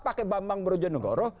pake bambang broja negara